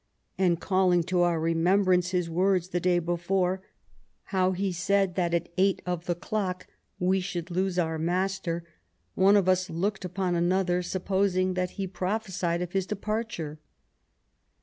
"And calling to our remembrance his words the day before, how he said that at eight of the clock we should lose our master, one of us looked upon another supposing that he pro phesied of his departure."